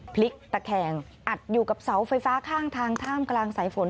พลิกตะแคงอัดอยู่กับเสาไฟฟ้าข้างทางท่ามกลางสายฝน